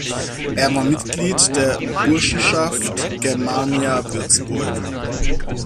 Er war Mitglied der Burschenschaft Germania Würzburg.